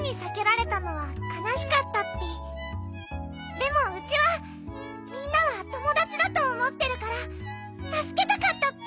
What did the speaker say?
でもウチはみんなはともだちだとおもってるからたすけたかったッピ！